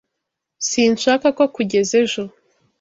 Sinshaka ko kugeza ejo.